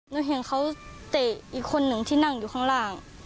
หนูเห็นเขาเตะอีกคนหนึ่งที่นั่งอยู่ข้างล่าง